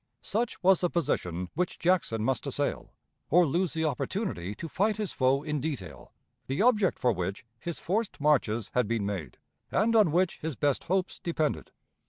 Such was the position which Jackson must assail, or lose the opportunity to fight his foe in detail the object for which his forced marches had been made, and on which his best hopes depended.